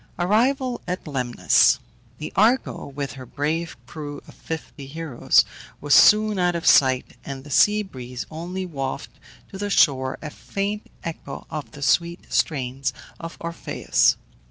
ARRIVAL AT LEMNOS. The Argo, with her brave crew of fifty heroes, was soon out of sight, and the sea breeze only wafted to the shore a faint echo of the sweet strains of Orpheus.